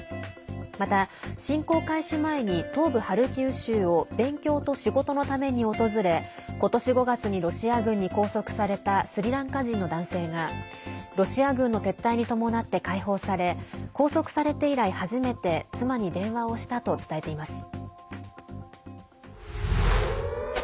また、侵攻開始前に東部ハルキウ州を勉強と仕事のために訪れ今年５月にロシア軍に拘束されたスリランカ人の男性がロシア軍の撤退に伴って解放され拘束されて以来初めて妻に電話をしたと伝えています。